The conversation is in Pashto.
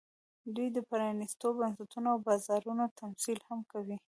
دوی د پرانېستو بنسټونو او بازارونو تمثیل هم کوي